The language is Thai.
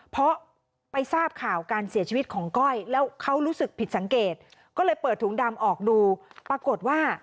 เพราะไปทราบข่าวการเสียชีวิตของก้อยแล้วเขารู้สึกผิดสังเกตก็เลยเปิดถุงดำออกดูปรากฏว่า